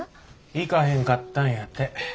行かへんかったんやて。